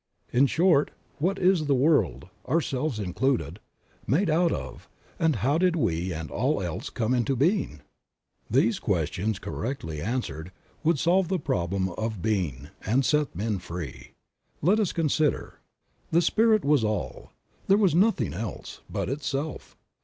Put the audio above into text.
In short, what is the world, ourselves included, made out of, and how did we and all else come into being? These questions correctly answered would solve the problem of being and set men free. Let us consider. The Spirit was all; there was nothing else but Itself.